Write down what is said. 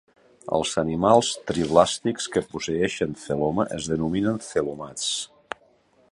Els animals triblàstics que posseeixen celoma es denominen celomats.